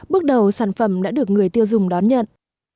bước đầu sản phẩm đã được người tiêu dùng đón nhận